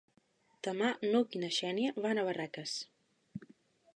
Demà n'Hug i na Xènia van a Barraques.